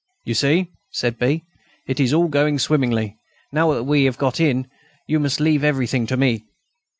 "You see," said B., "it is all going swimmingly. Now that we have got in, you must leave everything to me."